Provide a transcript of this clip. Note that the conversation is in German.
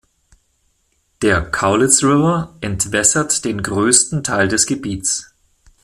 Der Cowlitz River entwässert den größten Teil des Gebietes.